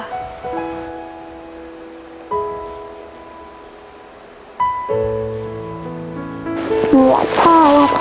หัวพ่อเหรอคะ